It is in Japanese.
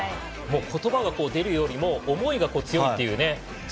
言葉が出るよりも思いが強いというね。